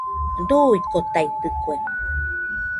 Duuikotaidɨkue